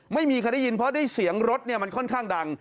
ไม่มีใครได้ยินเพราะได้เสียงรถมันค่อนข้างดัง